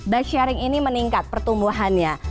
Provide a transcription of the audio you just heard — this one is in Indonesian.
bike sharing ini meningkat pertumbuhannya